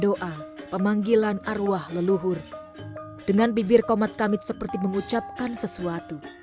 doa pemanggilan arwah leluhur dengan bibir komat kamit seperti mengucapkan sesuatu